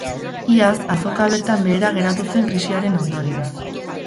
Iaz, azoka bertan behera geratu zen krisiaren ondorioz.